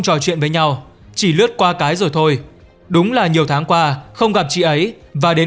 trò chuyện với nhau chỉ lướt qua cái rồi thôi đúng là nhiều tháng qua không gặp chị ấy và đến